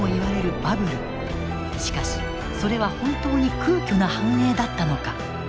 しかしそれは本当に空虚な繁栄だったのか。